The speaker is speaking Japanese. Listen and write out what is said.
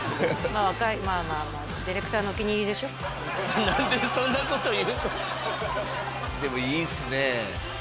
まあ若いまあまあまあディレクターのお気に入りでしょ何でそんなこと言うの？でもいいっすねえ